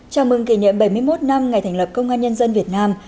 chào mừng kỷ niệm bảy mươi một năm ngày thành lập công an nhân dân việt nam